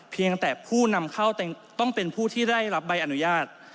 เพียงแต่ผู้นำเข้าต้องเป็นผู้ที่ได้รับใบอนุญาต